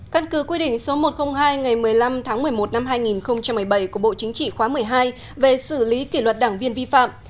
căn cứ quy định số một trăm linh hai ngày một mươi năm tháng một mươi một năm hai nghìn một mươi bảy của bộ chính trị khóa một mươi hai về xử lý kỷ luật đảng viên vi phạm